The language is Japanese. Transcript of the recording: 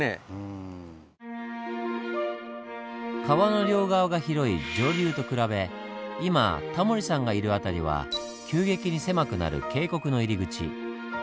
川の両側が広い上流と比べ今タモリさんがいる辺りは急激に狭くなる渓谷の入り口。